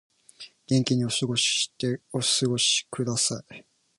元気にお過ごしください